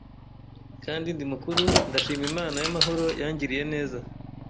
kandi ndi mukuru ndashimaImana y’amahoro yangiriye neza